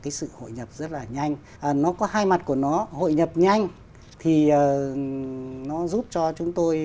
cái sự hội nhập rất là nhanh nó có hai mặt của nó hội nhập nhanh thì nó giúp cho chúng tôi